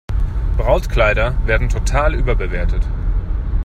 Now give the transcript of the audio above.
Brautkleider werden total überbewertet.